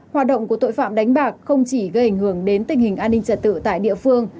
hoạt động của tội phạm đánh bạc không chỉ gây ảnh hưởng đến tình hình an ninh trật tự tại địa phương